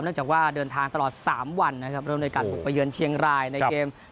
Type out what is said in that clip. เนื่องจากว่าเดินทางตลอดสามวันนะครับเริ่มโดยการปรุกประเยือนเชียงรายในเกมไทยลีกส์